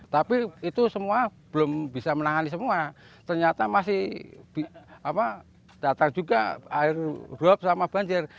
tapi itu semua belum bisa menangani semua ternyata masih datang juga air drop sama banjir